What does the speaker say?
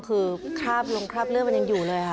ครูชำนาญการพิเศษของคุณค่ะ